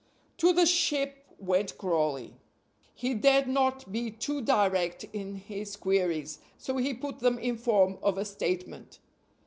To the "Ship" went Crawley. He dared not be too direct in his queries, so he put them in form of a statement.